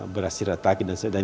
berasir ratakin dan sebagainya